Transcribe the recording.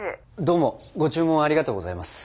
どうも注文ありがとうございます。